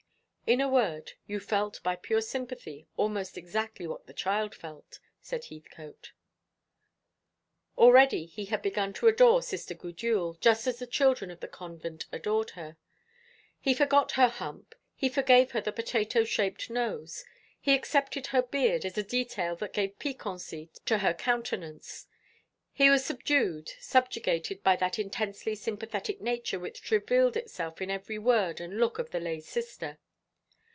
"In a word, you felt, by pure sympathy, almost exactly what the child felt," said Heathcote. Already he had begun to adore Sister Gudule, just as the children of the convent adored her. He forgot her hump, he forgave her the potato shaped nose, he accepted her beard as a detail that gave piquancy to her countenance. He was subdued, subjugated by that intensely sympathetic nature which revealed itself in every word and look of the lay sister.